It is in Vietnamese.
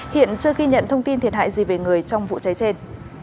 hiện chưa ghi nhận thông tin thiệt hại gì về người trong vụ cháy trên